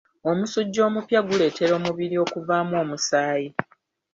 Omusujja omupya guleetera omubiri okuvaamu omusaayi.